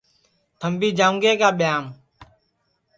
تھمبی جاؤں گے کیا ٻیایم